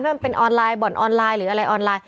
มันเป็นออนไลน์บ่อนออนไลน์หรืออะไรออนไลน์